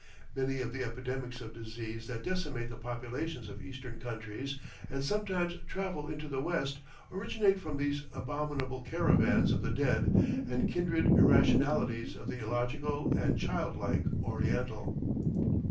Many of the epidemics of disease that decimate the populations of Eastern countries, and sometimes travel into the West, originate from these abominable caravans of the dead and kindred irrationalities of the illogical and childlike Oriental.